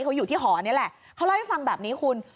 เขาอยู่ที่หอนี่แหละเขาเล่าให้ฟังแบบนี้คุณ